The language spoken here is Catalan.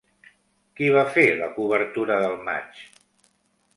Qui va fer la cobertura del matx?